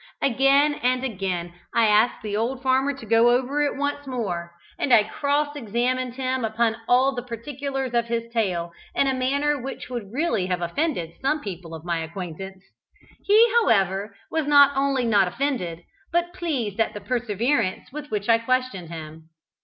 Again and again I asked the old farmer to go over it once more, and I cross examined him upon all the particulars of his tale in a manner which would really have offended some people of my acquaintance. He, however, was not only not offended, but pleased at the perseverance with which I questioned him.